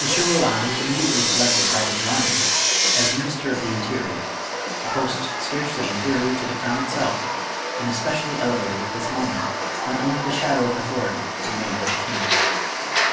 M. Roland was immediately selected by the Girondists as Minister of the Interior, a post scarcely inferior to the crown itself, and especially elevated at this moment when only the shadow of authority remained with the king.